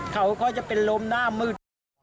เขาก็จะเป็นลมหน้ามืด